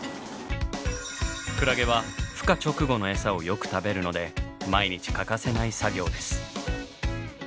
クラゲはふ化直後のエサをよく食べるので毎日欠かせない作業です。